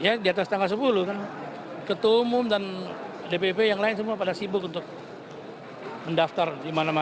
ya di atas tanggal sepuluh kan ketua umum dan dpp yang lain semua pada sibuk untuk mendaftar di mana mana